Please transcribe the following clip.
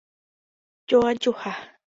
Joajuha